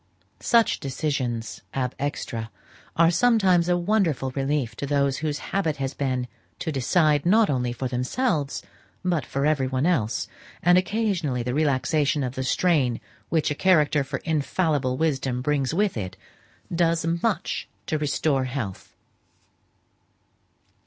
Such decisions ab extra, are sometimes a wonderful relief to those whose habit it has been to decide, not only for themselves, but for every one else; and occasionally the relaxation of the strain which a character for infallible wisdom brings with it, does much to restore health.